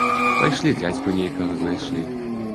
Пайшлі дзядзьку нейкага знайшлі.